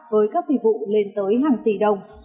với các vị vụ lên tới hàng tỷ đồng